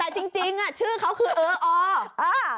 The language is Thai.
แต่จริงชื่อเขาคือเออออ่า